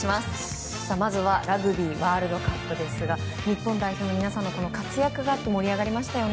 まずはラグビーワールドカップですが日本代表の皆さんの活躍があって盛り上がりましたよね。